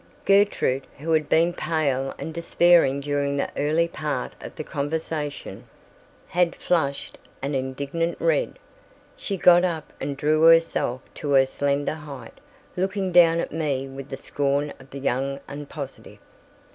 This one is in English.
Gertrude, who had been pale and despairing during the early part of the conversation, had flushed an indignant red. She got up and drew herself to her slender height, looking down at me with the scorn of the young and positive.